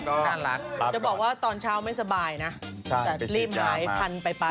จะบอกว่าตอนเช้าไม่สบายนะแต่รีบไหลทันไปปัด